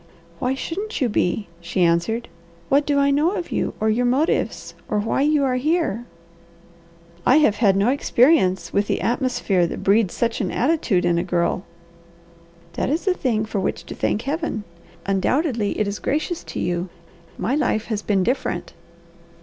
"Why shouldn't you be?" she answered. "What do I know of you or your motives or why you are here?" "I have had no experience with the atmosphere that breeds such an attitude in a girl." "That is a thing for which to thank Heaven. Undoubtedly it is gracious to you. My life has been different."